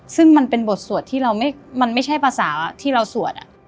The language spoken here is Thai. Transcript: ซึ่งมันเป็นบทสวดที่เรามันไม่ใช่ภาษาที่เราสวด